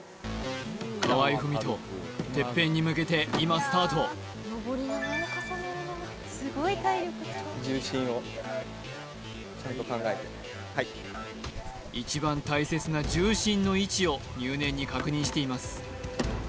河合郁人てっぺんに向けて今スタートはい一番大切な重心の位置を入念に確認しています